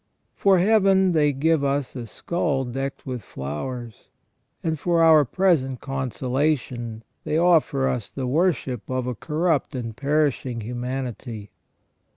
For heaven they give us a skull decked with flowers, and for our present consolation they offer us the worship of a corrupt and perishing humanity.